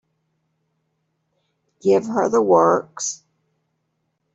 Give her the works.